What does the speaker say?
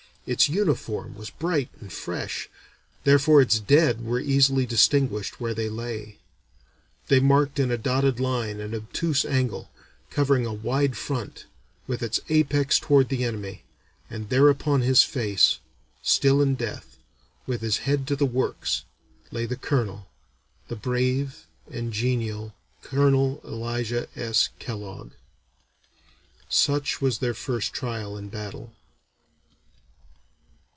Its uniform was bright and fresh; therefore its dead were easily distinguished where they lay. They marked in a dotted line an obtuse angle, covering a wide front, with its apex toward the enemy, and there upon his face, still in death, with his head to the works, lay the Colonel, the brave and genial Colonel Elisha S. Kellogg." Such was their first trial in battle.